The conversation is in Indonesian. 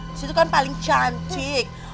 di situ kan paling cantik